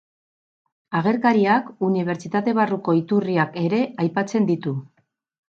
Agerkariak unibertsitate barruko iturriak ere aipatzen ditu.